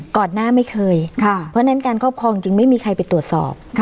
ก่อนหน้าไม่เคยเพราะฉะนั้นการครอบครองจึงไม่มีใครไปตรวจสอบ